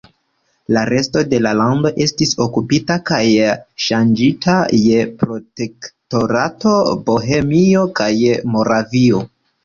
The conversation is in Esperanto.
La resto de la lando estis okupita kaj ŝanĝita je Protektorato Bohemio kaj Moravio.